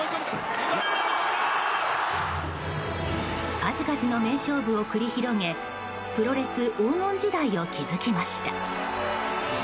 数々の名勝負を繰り広げプロレス黄金時代を築きました。